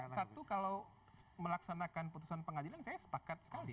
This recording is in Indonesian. satu kalau melaksanakan putusan pengadilan saya sepakat sekali